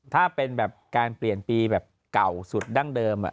ถ้าเป็นแบบการเปลี่ยนปีแบบเก่าสุดดั้งเดิม